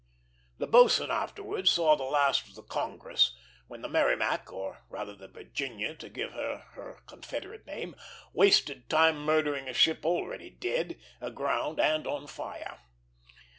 This boatswain afterwards saw the last of the Congress, when the Merrimac or rather the Virginia, to give her her Confederate name wasted time murdering a ship already dead, aground and on fire.